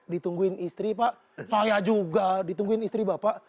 ditungguin istri pak saya juga ditungguin istri bapak